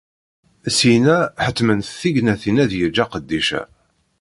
Syinna, ḥettment-t tegnatin ad yeǧǧ aqeddic-a.